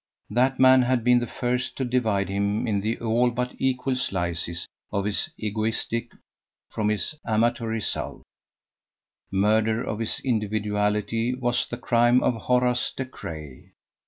That man had been the first to divide him in the all but equal slices of his egoistic from his amatory self: murder of his individuality was the crime of Horace De Craye.